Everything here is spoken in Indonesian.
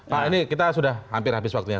pak ini kita sudah hampir habis waktunya